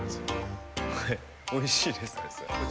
はいおいしいです。